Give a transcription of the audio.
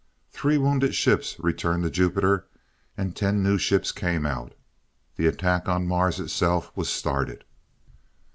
Three wounded ships returned to Jupiter, and ten new ships came out. The attack on Mars itself was started.